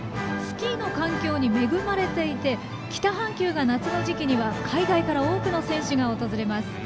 スキーの環境に恵まれていて北半球が夏の時期には海外から多くの選手が訪れます。